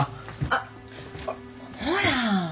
あっほら。